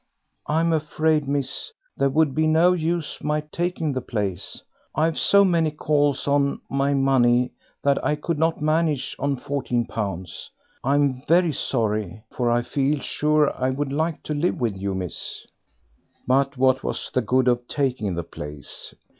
"I'm afraid, miss, there would be no use my taking the place; I've so many calls on my money that I could not manage on fourteen pounds. I'm very sorry, for I feel sure I should like to live with you, miss." But what was the good of taking the place?